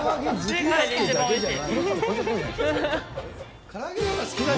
世界で一番おいしい。